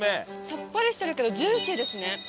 さっぱりしてるけどジューシーですね。